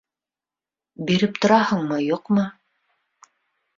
— Биреп тораһыңмы, юҡмы?